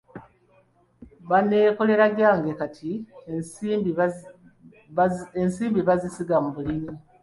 Banneekoleragyange kati ensimbibazisiga mu bulimi.